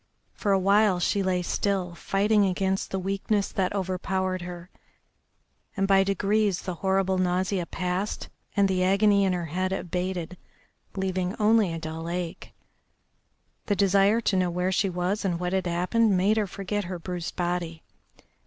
For a while she lay still, fighting against the weakness that overpowered her, and by degrees the horrible nausea passed and the agony in her head abated, leaving only a dull ache. The desire to know where she was and what had happened made her forget her bruised body.